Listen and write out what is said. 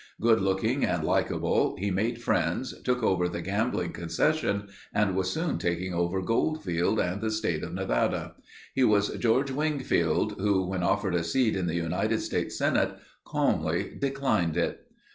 Good looking and likable, he made friends, took over the gambling concession and was soon taking over Goldfield and the state of Nevada. He was George Wingfield, who, when offered a seat in the United States Senate, calmly declined it.